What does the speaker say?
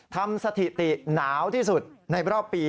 สถิติหนาวที่สุดในรอบปี